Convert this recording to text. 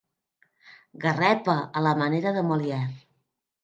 Garrepa a la manera de Molière.